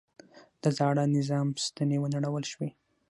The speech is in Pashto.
د زاړه نظام ستنې ونړول شوې.